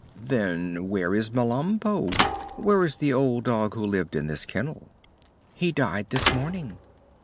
"Then where is Melampo? Where is the old dog who lived in this kennel?" "He died this morning."